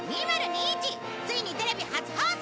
ついにテレビ初放送！